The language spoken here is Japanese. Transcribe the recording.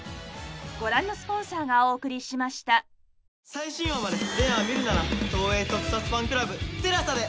最新話まで全話見るなら東映特撮ファンクラブＴＥＬＡＳＡで。